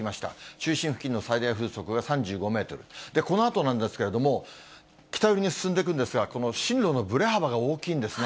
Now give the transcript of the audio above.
中心付近の最大風速が３５メートル、このあとなんですけれども、北寄りに進んでいくんですが、この進路のぶれ幅が大きいんですね。